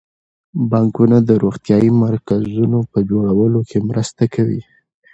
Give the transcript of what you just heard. بانکونه د روغتیايي مرکزونو په جوړولو کې مرسته کوي.